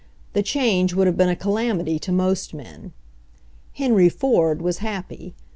The change would have been a calamity to most men. Henry Ford wa£ happy.